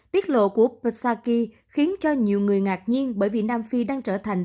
tiết lộ của pessaki khiến cho nhiều người ngạc nhiên bởi vì nam phi đang trở thành